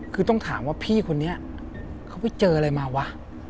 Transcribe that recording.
คือต้องถามว่าพี่คนนี้เขาไปเจออะไรมาวะ